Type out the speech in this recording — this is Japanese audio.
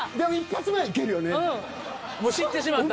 もう知ってしまったら？